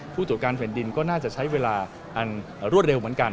ผู้ตรวจการแผ่นดินก็น่าจะใช้เวลาอันรวดเร็วเหมือนกัน